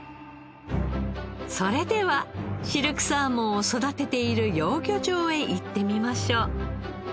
それではシルクサーモンを育てている養魚場へ行ってみましょう。